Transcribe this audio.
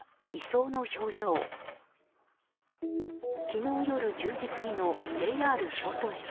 昨日夜１０時過ぎのＪＲ京都駅。